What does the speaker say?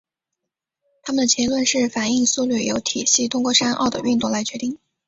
他们的结论是反应速率由体系通过山坳的运动来决定。